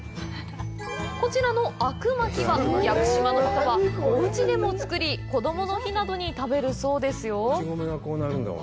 こちらのあく巻は屋久島の人はおうちでも作りこどもの日などに食べるそうですよ。